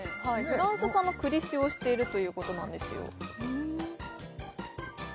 フランス産の栗使用しているということなんですよ